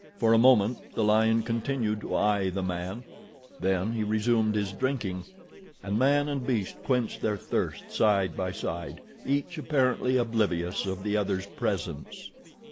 For a moment the lion continued to eye the man; then he resumed his drinking, and man and beast quenched their thirst side by side each apparently oblivious of the other's presence.